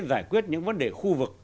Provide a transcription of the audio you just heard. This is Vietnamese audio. giải quyết những vấn đề khu vực